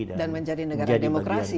dan menjadi negara demokrasi